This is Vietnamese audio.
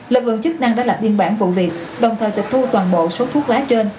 lực lượng chức năng đã lập biên bản vụ việc đồng thời tịch thu toàn bộ số thuốc lá trên